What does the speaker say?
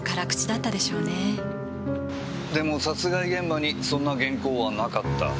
でも殺害現場にそんな原稿はなかった。